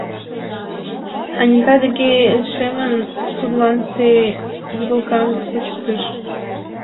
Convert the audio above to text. Анита деке лишемын, тудлан ты вӱдылкам кучыктыш.